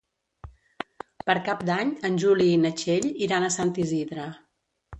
Per Cap d'Any en Juli i na Txell iran a Sant Isidre.